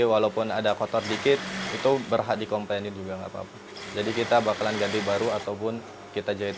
walaupun ada kotor dikit itu berhak dikomplainin juga jadi kita bakalan ganti baru ataupun kita jahit